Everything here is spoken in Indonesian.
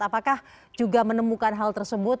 apakah juga menemukan hal tersebut